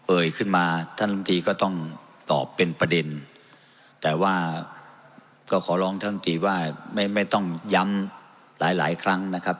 ขึ้นมาท่านลำตีก็ต้องตอบเป็นประเด็นแต่ว่าก็ขอร้องท่านตีว่าไม่ไม่ต้องย้ำหลายหลายครั้งนะครับ